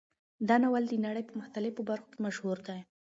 دا ناول د نړۍ په مختلفو برخو کې مشهور دی.